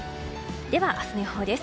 では明日の予報です。